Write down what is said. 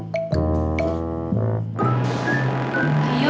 ketika mereka melakukannya